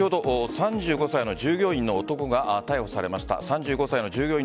３５歳の従業員の男が逮捕されました。